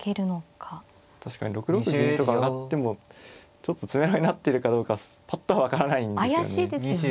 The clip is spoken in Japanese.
確かに６六銀とか上がってもちょっと詰めろになってるかどうかぱっとは分からないんですよね。